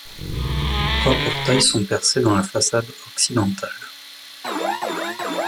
Trois portails sont percés dans la façade occidentale.